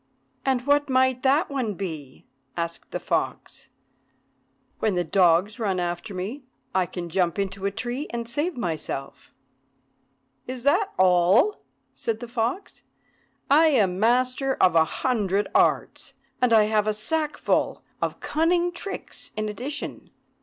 "And what might that one be?" asked the fox. "When the dogs run after me, I can jump into a tree and save myself." "Is that all?" said the fox. "I am master of a hundred arts, and I have a sackful of cunning tricks in addition.